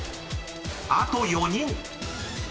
［あと４人］